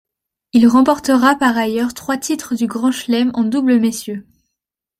Il remporta par ailleurs trois titres du Grand Chelem en double messieurs.